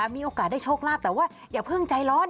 มีโอกาสได้โชคลาภแต่ว่าอย่าเพิ่งใจร้อน